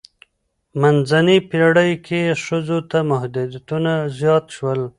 منځنۍ پیړۍ کې ښځو ته محدودیتونه زیات شول.